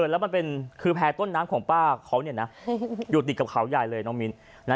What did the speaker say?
แล้วมันเป็นคือแพร่ต้นน้ำของป้าเขาอยู่ติดกับเขาใหญ่เลยน้องมิ้น